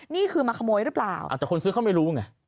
นี่คือมาขโมยหรือเปล่าแต่คนซื้อเขาไม่รู้ไง